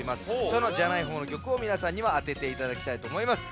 そのじゃない方の曲をみなさんにはあてていただきたいとおもいます。